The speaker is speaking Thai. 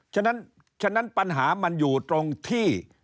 ฉะนั้นฉะนั้นปัญหามันอยู่ตรงที่